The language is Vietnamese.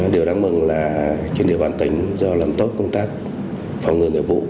điều đáng mừng là trên địa bàn tỉnh do làm tốt công tác phòng ngừa nội vụ